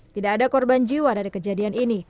tidak ada korban jiwa dari kejadian ini